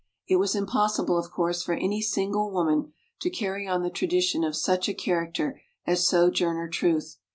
It was impossible of course for any single woman to carry on the tradition of such a character as Sojourner Truth.